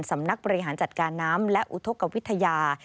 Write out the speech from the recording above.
สำนักบริหารจัดการน้ำและอุทธกวิทยา